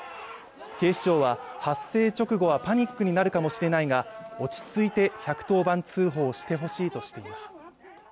警視庁は発生直後はパニックになるかもしれないが落ち着いて１１０番通報してほしいとしています